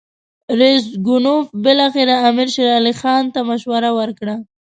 راسګونوف بالاخره امیر شېر علي خان ته مشوره ورکړه.